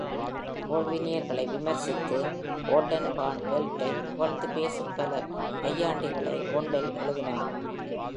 கால்வினியர்களை விமர்சித்து ஓல்டன்பார்ன்வெல்ட்டைப் புகழ்ந்து பேசும் பல நையாண்டிகளை வொண்டெல் எழுதினார்.